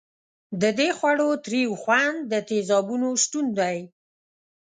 د دې خوړو تریو خوند د تیزابونو شتون دی.